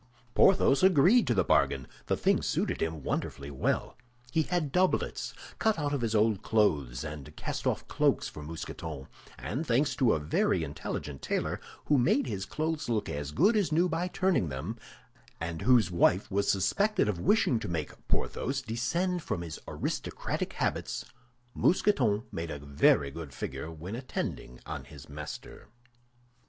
Porthos agreed to the bargain; the thing suited him wonderfully well. He had doublets cut out of his old clothes and cast off cloaks for Mousqueton, and thanks to a very intelligent tailor, who made his clothes look as good as new by turning them, and whose wife was suspected of wishing to make Porthos descend from his aristocratic habits, Mousqueton made a very good figure when attending on his master.